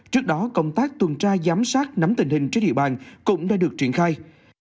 trước đó công tác tuần tra giám sát nắm tình hình trên địa bàn cũng đã được triển khai